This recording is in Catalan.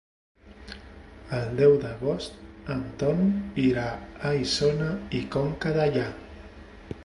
El deu d'agost en Ton irà a Isona i Conca Dellà.